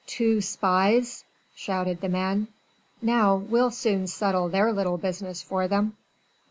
Two spies!" shouted the men. "Now we'll soon settle their little business for them!"